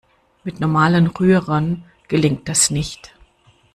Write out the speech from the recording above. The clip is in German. Mit normalen Rührern gelingt das nicht.